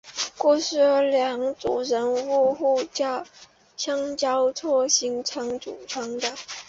故事由两组人物互相交错的行为组成。